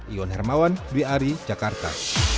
ion hermawan b a r i jakarta